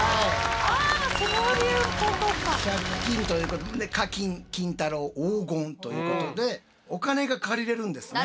「借金」ということで「課金」「金太郎」「黄金」ということでお金が借りれるんですね。